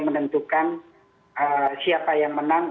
menentukan siapa yang menang